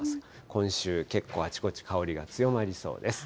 今週、結構あちこち香りが強まりそうです。